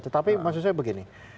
tetapi maksud saya begini